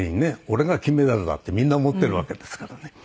俺が金メダルだってみんな思ってるわけですからね。